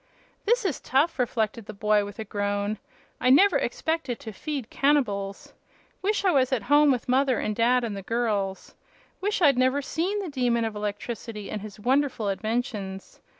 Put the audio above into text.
"This is tough," reflected the boy, with a groan. "I never expected to feed cannibals. Wish I was at home with mother and dad and the girls. Wish I'd never seen the Demon of Electricity and his wonderful inventions.